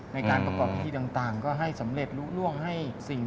ในการประกอบขี้ต่างก็ให้สำเร็จรู้ร่วง